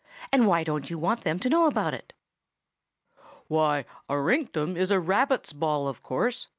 "And why don't you want them to know about it?" "Why, a rinktum is a rabbit's ball, of course.